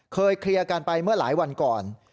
เคลียร์กันไปเมื่อหลายวันก่อน